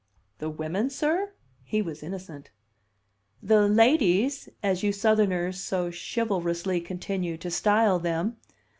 "The women, sir?" He was innocent! "The 'ladies,' as you Southerners so chivalrously continue to style them.